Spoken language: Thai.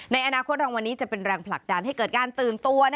ในอนาคตรางวัลนี้จะเป็นแรงผลักดันให้เกิดการตื่นตัว